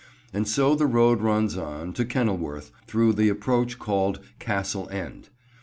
And so the road runs on, to Kenilworth, through the approach called Castle End.